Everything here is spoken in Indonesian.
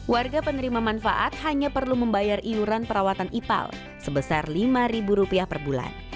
warga penerima manfaat hanya perlu membayar iuran perawatan ipal sebesar rp lima per bulan